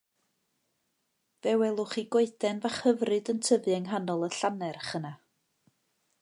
Fe welwch chi goeden fach hyfryd yn tyfu yng nghanol y llannerch yna.